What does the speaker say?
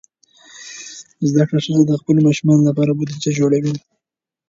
زده کړه ښځه د خپلو ماشومانو لپاره بودیجه جوړوي.